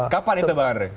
kapan itu mbak aure